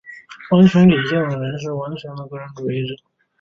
完全理性的人是完全的个人主义者。